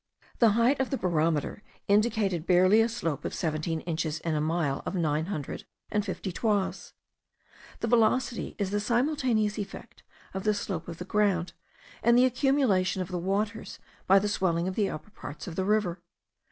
The height of the barometer indicated barely a slope of seventeen inches in a mile of nine hundred and fifty toises. The velocity is the simultaneous effect of the slope of the ground, and the accumulation of the waters by the swelling of the upper parts of the river.